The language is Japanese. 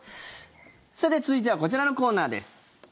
さて、続いてはこちらのコーナーです。